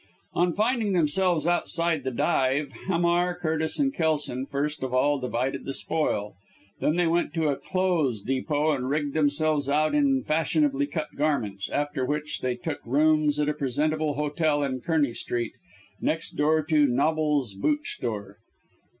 On finding themselves outside the dive Hamar, Curtis and Kelson first of all divided the spoil. They then went to a clothes depot and rigged themselves out in fashionably cut garments; after which they took rooms at a presentable hotel in Kearney Street, next door to Knobble's boot store.